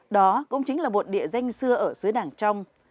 đó cũng chính là một địa danh xưa ở xứ đảng trong